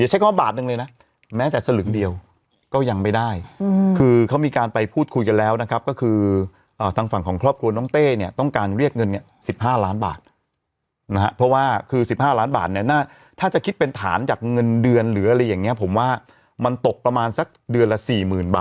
ใช้คำว่าบาทหนึ่งเลยนะแม้แต่สลึงเดียวก็ยังไม่ได้คือเขามีการไปพูดคุยกันแล้วนะครับก็คือทางฝั่งของครอบครัวน้องเต้เนี่ยต้องการเรียกเงินเนี่ย๑๕ล้านบาทนะฮะเพราะว่าคือ๑๕ล้านบาทเนี่ยถ้าจะคิดเป็นฐานจากเงินเดือนหรืออะไรอย่างนี้ผมว่ามันตกประมาณสักเดือนละ๔๐๐๐บาท